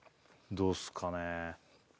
どうっすかね？